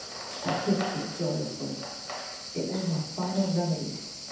I kissed it joyously; it was my final remedy!